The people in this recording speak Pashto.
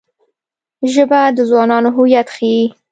ژبه د ځوانانو هویت ښيي